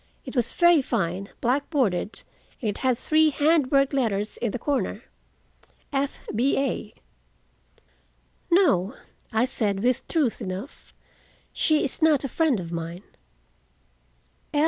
It was very fine, black bordered, and it had three hand worked letters in the corner—F. B. A." "No," I said with truth enough, "she is not a friend of mine."